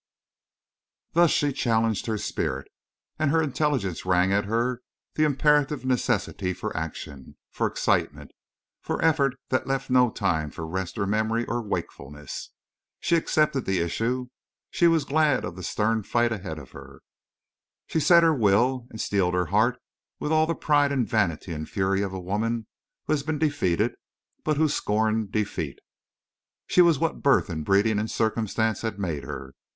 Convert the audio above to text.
Thus she challenged her spirit. And her intelligence rang at her the imperative necessity for action, for excitement, for effort that left no time for rest or memory or wakefulness. She accepted the issue. She was glad of the stern fight ahead of her. She set her will and steeled her heart with all the pride and vanity and fury of a woman who had been defeated but who scorned defeat. She was what birth and breeding and circumstance had made her.